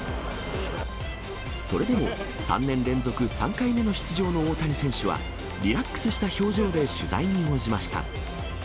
それでも３年連続３回目の出場の大谷選手は、リラックスした表情で取材に応じました。